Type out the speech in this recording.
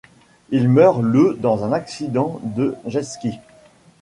Il meurt le dans un accident de jetski.